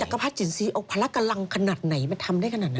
กระพัดจินซีเอาพละกำลังขนาดไหนมาทำได้ขนาดนั้น